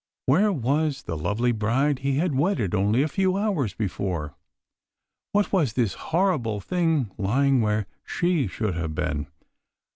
Where was the lovely bride he had wedded only a few hours before? What was this horrible thing lying where she should have been?